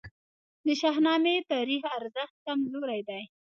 د شاهنامې تاریخي ارزښت کمزوری دی.